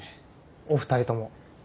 お二人とも。